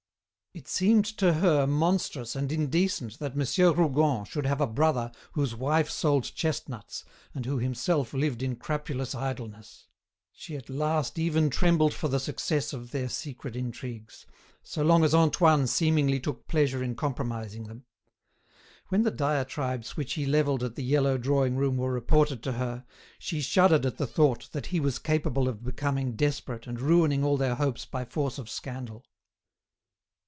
It seemed to her monstrous and indecent that Monsieur Rougon should have a brother whose wife sold chestnuts, and who himself lived in crapulous idleness. She at last even trembled for the success of their secret intrigues, so long as Antoine seemingly took pleasure in compromising them. When the diatribes which he levelled at the yellow drawing room were reported to her, she shuddered at the thought that he was capable of becoming desperate and ruining all their hopes by force of scandal.